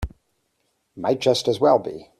Might just as well be.